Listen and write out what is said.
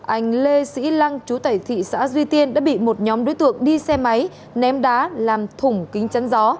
anh lê sĩ lăng chủ tại tp duy tiên đã bị một nhóm đối tượng đi xe máy ném đá làm thùng kính chấn gió